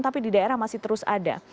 tapi di daerah masih terus ada